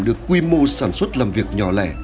được quy mô sản xuất làm việc nhỏ lẻ